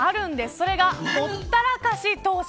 それがほったらかし投資。